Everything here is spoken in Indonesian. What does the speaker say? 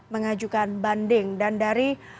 mengajukan banding dan dari